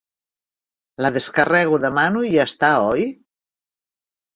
La descarrego, demano i ja està, oi?